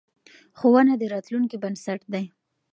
ښوونه د راتلونکې بنسټ دی.